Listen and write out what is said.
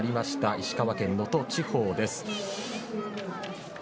石川県能登地方です。